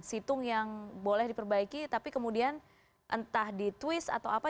situng yang boleh diperbaiki tapi kemudian entah di twist atau apa